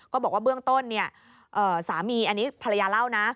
ก็บอกว่าเบื้องต้นสามีอันนี้ภรรยาเล่านะ